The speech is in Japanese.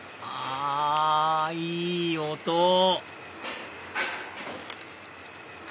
あいい音！